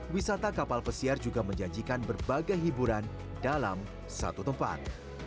wisata kapal pesiar juga menjanjikan berbagai hiburan dalam satu tempat